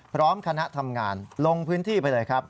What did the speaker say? พร้อมคณะทำงานลงพื้นที่ไปเลยครับ